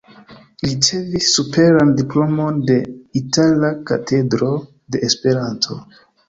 Ricevis superan diplomon de Itala Katedro de Esperanto.